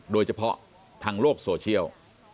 โดยเฉพาะทางโลกโซเชียล